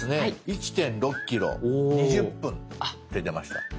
「１．６ｋｍ２０分」って出ました。